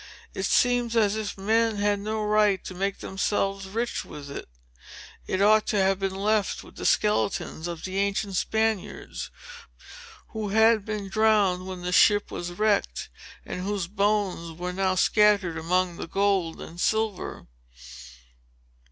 It seems as if men had no right to make themselves rich with it. It ought to have been left with the skeletons of the ancient Spaniards, who had been drowned when the ship was wrecked, and whose bones were now scattered among the gold and silver.